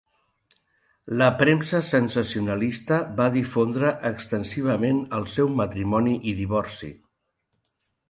La premsa sensacionalista va difondre extensivament el seu matrimoni i divorci.